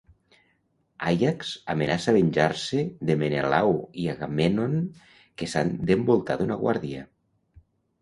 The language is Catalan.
Àiax amenaça venjar-se de Menelau i Agamèmnon, que s'han d'envoltar d'una guàrdia.